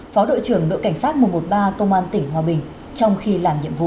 phó đội trưởng đội cảnh sát một trăm một mươi ba công an tỉnh hòa bình trong khi làm nhiệm vụ